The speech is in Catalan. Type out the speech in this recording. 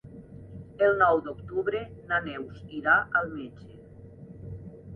El nou d'octubre na Neus irà al metge.